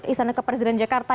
istana kepresidenan jakarta